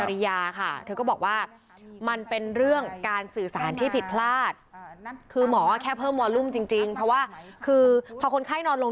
ที่มาก็พูดแจ้งแทนคุณหมอ